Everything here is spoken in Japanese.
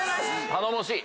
頼もしい。